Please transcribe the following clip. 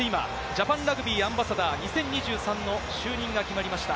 そして今ジャパンラグビーアンバサダー２０２３の就任が決まりました。